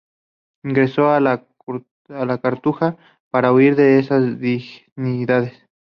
Ingresó en la Cartuja para huir de esas dignidades.